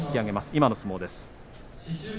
今の相撲です。